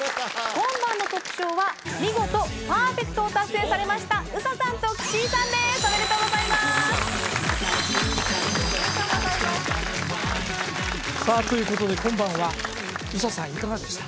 今晩のトップ賞は見事パーフェクトを達成されましたＵＳＡさんと岸井さんですおめでとうございますさあということで今晩はＵＳＡさんいかがでした？